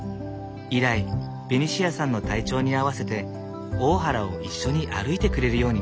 以来ベニシアさんの体調に合わせて大原を一緒に歩いてくれるようになった。